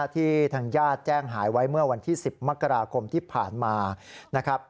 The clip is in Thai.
ที่ทางญาติแจ้งหายไว้เมื่อวันที่๑๐มกราคมที่ผ่านมานะครับ